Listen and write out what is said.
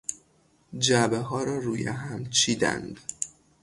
جعبهها را روی هم چیدند.